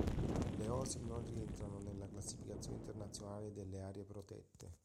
Le oasi non rientrano nella Classificazione internazionale delle aree protette.